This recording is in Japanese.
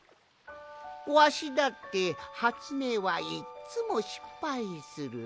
わしだってはつめいはいっつもしっぱいする。